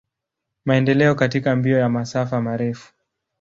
Maendeleo katika mbio ya masafa marefu.